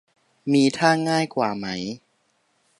มีท่าง่ายกว่าไหม